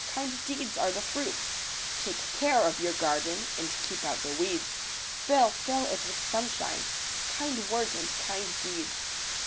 Kind deeds are the fruits. Take care of your garden And keep out the weeds; Fill, fill it with sunshine. Kind words and kind deeds.